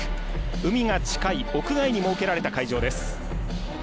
海が近い屋外に設けられた会場です。